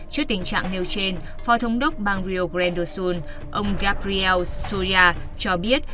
trước tình trạng nêu trên phó thống đốc bang rio grande do sul ông gabriel soria cho biết